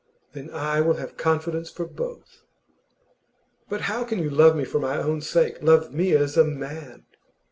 'Then I will have confidence for both.' 'But can you love me for my own sake love me as a man?